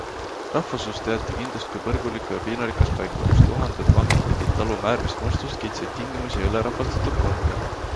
Rahvasuus teati kindlust kui põrgulikku ja piinarikast paika, kus tuhanded vangid pidid taluma äärmist mustust, kitsaid tingimusi ja ülerahvastatud konge.